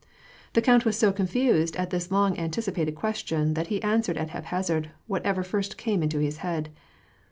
The count was so confused at this long anticipated question that he answered at haphazard whatever first came into his head.